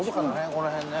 この辺ね。